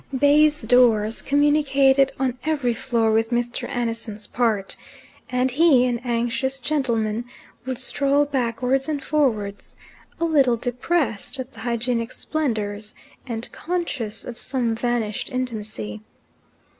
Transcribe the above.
Baize doors communicated on every floor with Mr. Annison's part, and he, an anxious gentleman, would stroll backwards and forwards, a little depressed at the hygienic splendours, and conscious of some vanished intimacy.